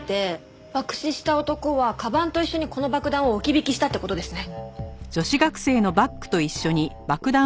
爆死した男はかばんと一緒にこの爆弾を置き引きしたって事ですね。